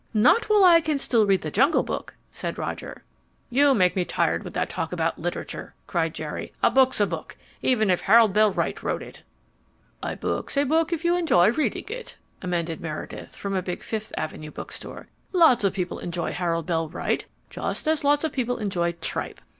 "Not while I can still read The Jungle Book," said Roger. "You make me tired with that talk about literature," cried Jerry. "A book's a book, even if Harold Bell Wright wrote it." "A book's a book if you enjoy reading it," amended Meredith, from a big Fifth Avenue bookstore. "Lots of people enjoy Harold Bell Wright just as lots of people enjoy tripe.